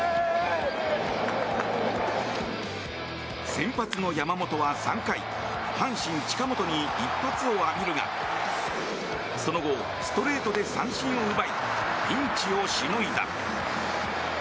先発の山本は３回阪神、近本に一発を浴びるがその後、ストレートで三振を奪いピンチをしのいだ。